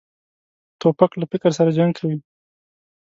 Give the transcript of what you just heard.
توپک له فکر سره جنګ کوي.